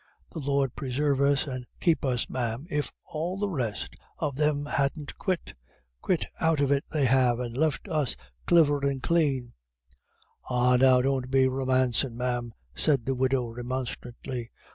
The Lord presarve us and keep us, ma'am, if all the rest of them hadn't quit quit out of it they have, and left us cliver and clane." "Ah, now, don't be romancin' man," said the widow, remonstrantly.